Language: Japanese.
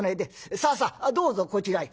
さあさあどうぞこちらへ」。